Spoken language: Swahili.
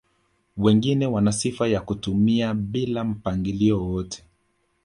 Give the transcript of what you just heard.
Wengine wana sifa ya kutumia bila mpangilio wowote